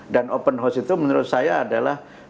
dan open house itu menurut saya adalah